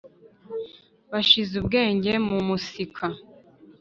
bashize ubwenge mu musika